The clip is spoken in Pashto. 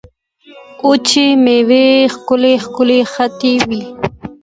وچو مېوو ښکلې ښکلې هټۍ وې.